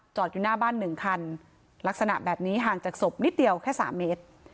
อยู่หน้าบ้านหนึ่งคันลักษณะแบบนี้ห่างจากศพนิดเดียวแค่๓เมตร